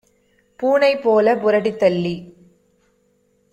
பூனை போலப் புரட்டித் தள்ளிப்